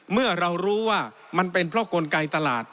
เมื่อเรารู้ว่ามันเป็นเพราะกลไกตลาด